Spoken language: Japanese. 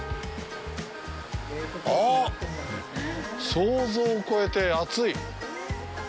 想像を超えて熱い！